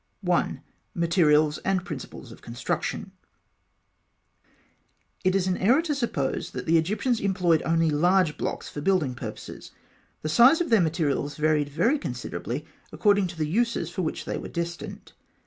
I. MATERIALS AND PRINCIPLES OF CONSTRUCTION. It is an error to suppose that the Egyptians employed only large blocks for building purposes. The size of their materials varied very considerably according to the uses for which they were destined.